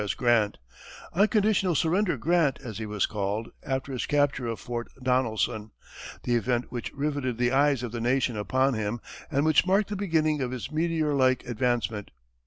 S. Grant "Unconditional Surrender" Grant, as he was called, after his capture of Fort Donelson the event which riveted the eyes of the Nation upon him and which marked the beginning of his meteor like advancement.